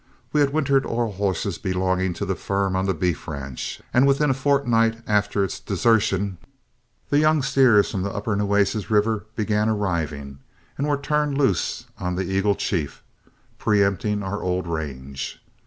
We had wintered all horses belonging to the firm on the beef ranch, and within a fortnight after its desertion, the young steers from the upper Nueces River began arriving and were turned loose on the Eagle Chief, preempting our old range.